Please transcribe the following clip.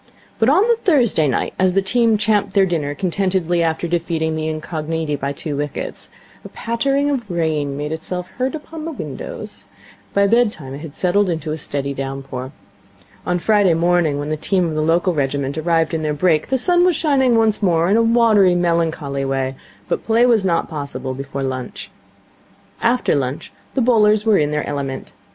But on the Thursday night, as the team champed their dinner contentedly after defeating the Incogniti by two wickets, a pattering of rain made itself heard upon the windows. By bedtime it had settled to a steady downpour. On Friday morning, when the team of the local regiment arrived in their brake, the sun was shining once more in a watery, melancholy way, but play was not possible before lunch. After lunch the bowlers were in their element.